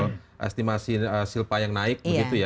kemudian juga soal estimasi silpa yang naik